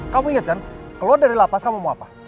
kamu ingat kan keluar dari lapas kamu mau apa